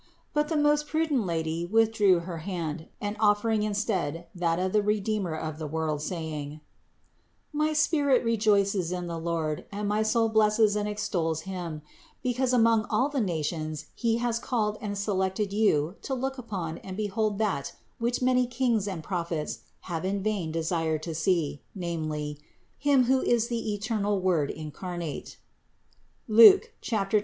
But the most prudent Lady withdrew her hand, and offered in stead that of the Redeemer of the world, saying: "My spirit rejoices in the Lord and my soul blesses and extols Him; because among all the nations He has called and selected you to look upon and behold that which many kings and prophets have in vain desired to see, namely, 474 CITY OF GOD Him who is the eternal Word incarnate (Luke 10, 24).